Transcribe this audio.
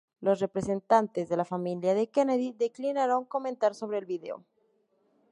Los representantes de la familia de Kennedy declinaron comentar sobre el vídeo.